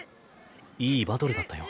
いいバトルだったよ。